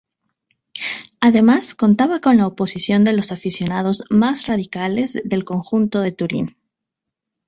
Además, contaba con la oposición de los aficionados más radicales del conjunto de Turín.